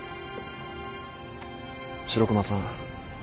白熊さん